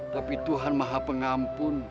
tapi tuhan maha pengampun